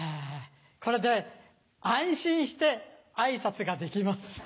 これで安心して挨拶ができます。